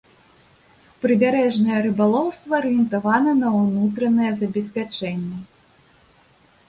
Прыбярэжнае рыбалоўства арыентавана на ўнутранае забеспячэнне.